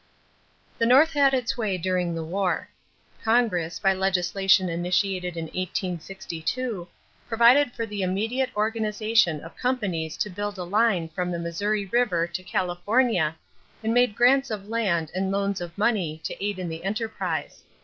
The North had its way during the war. Congress, by legislation initiated in 1862, provided for the immediate organization of companies to build a line from the Missouri River to California and made grants of land and loans of money to aid in the enterprise.